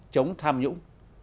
chống tham nhũng